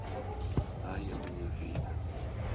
Ai a minha vida...